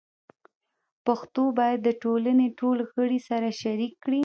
پښتو باید د ټولنې ټول غړي سره شریک کړي.